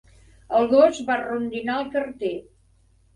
El gos va rondinar al carter.